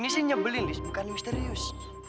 ini sih nyebelin lies bukan misterius